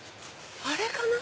あれかな？